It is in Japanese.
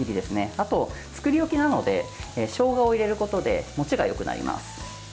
あと、作り置きなのでしょうがを入れることでもちがよくなります。